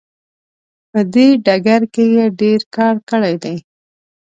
په دې ډګر کې یې ډیر کار کړی دی.